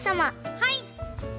はい！